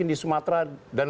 pssi pak jamal